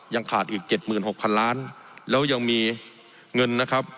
ยังขาดอีก๗๖๐๐๐ล้านแล้วยังมีเงินนะครับ